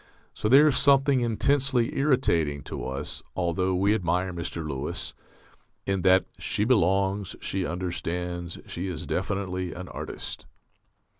So there is something intensely irritating to us (although we admire Mr. Lewis) in that "_She belongs, she understands, she is definitely an artist.